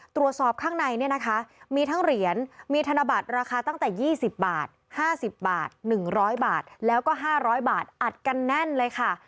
ตรวจสอบข้างในเนี่ยนะคะมีทั้งเหรียญมีธนบัตรราคาตั้งแต่๒๐บาท๕๐บาท๑๐๐บาทแล้วก็๕๐๐บาทอัดกันแน่นเลยค่ะ